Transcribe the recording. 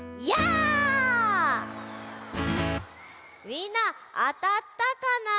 みんなあたったかな？